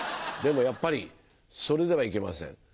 でもやっぱりそれではいけません。